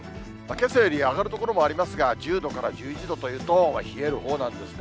けさより上がる所もありますが、１０度から１１度というと、冷えるほうなんですね。